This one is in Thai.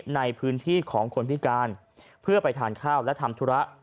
ในพื้นที่ของคนพิการเพื่อไปทานข้าวและทำธุระ